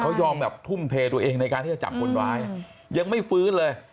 เขายอมแบบทุ่มเทตัวเองในการที่จะจับคนร้ายยังไม่ฟื้นเลย